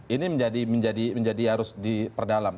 ini menjadi harus diperdalam